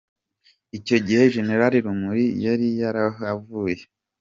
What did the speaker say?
Icyo gihe Gen Rumuri yari yarahavuye.